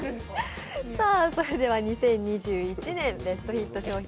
それでは２０２１年ベストヒット商品